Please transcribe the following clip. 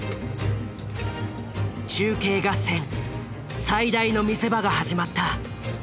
中継合戦最大の見せ場が始まった。